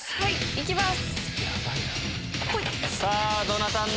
いきます。